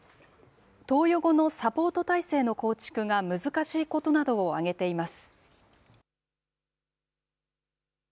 投与後のサポート体制の構築が難しいことなどを挙げています。